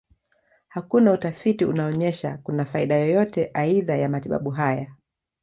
Hakuna utafiti unaonyesha kuna faida yoyote aidha ya matibabu haya.